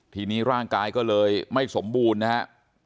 ทีนี้ร่างกายก็เลยไม่สมบูรณ์นะฮะ